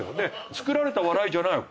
作られた笑いじゃないの。